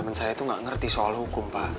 temen saya tuh gak ngerti soal hukum pak